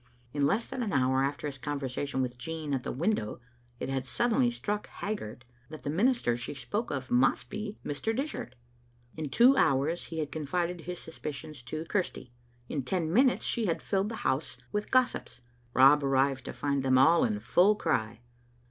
In less than an hour after his conversation with Jean at the window it had suddenly struck Haggart that the minister she spoke of must be Mr. Dishart. In two hours he had confided his suspicions to Chirsty. In ten minutes she had filled the house with gossips. Rob arrived to find them in full cry.